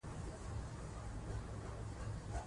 مېلې د ټولني د فکري بیدارۍ له پاره ښه فرصتونه دي.